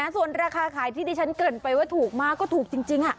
ส่วนราคาขายที่ดิฉันเกิดไปว่าถูกมากก็ถูกจริง